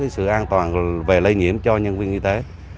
sự an toàn về lây nhiễm cho nhân viên y tế